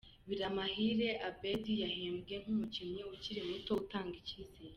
Biramahire Abedy yahembwe nk'umukinnyi ukiri muto utanga icyizere.